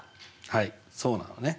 はいそうなのね。